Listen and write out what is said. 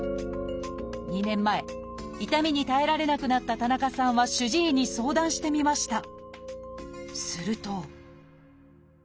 ２年前痛みに耐えられなくなった田中さんは主治医に相談してみました。